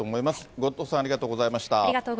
後藤さんありがとうございました。